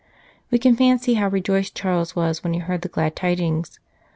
We can fancy how rejoiced Charles was when he heard the glad tidings.